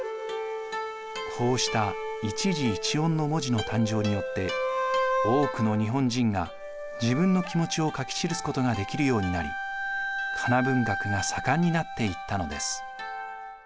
こうした一字一音の文字の誕生によって多くの日本人が自分の気持ちを書き記すことができるようになりかな文学が盛んになっていったのです。